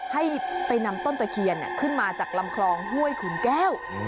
ให้ไปนำต้นตะเคียนขึ้นมาจากลำคลองห้วยขุนแก้ว